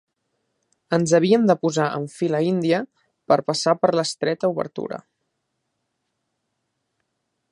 Ens havíem de posar en fila índia per passar per l'estreta obertura